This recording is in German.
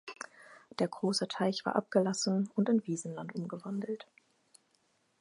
Der Große Teich war abgelassen und in Wiesenland umgewandelt.